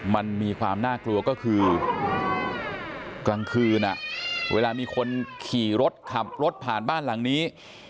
มันมีความน่ากลัวก็คือกลางคืนเวลามีคนขี่รถขับรถผ่านบ้านหลังนี้